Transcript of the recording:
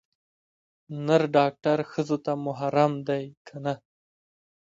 نر ډاکتر ښځو ته محرم ديه که نه.